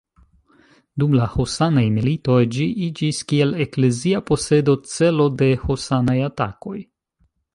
Dum la husanaj militoj ĝi iĝis kiel eklezia posedo celo de husanaj atakoj.